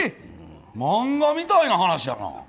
漫画みたいな話やな。